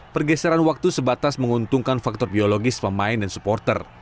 pergeseran waktu sebatas menguntungkan faktor biologis pemain dan supporter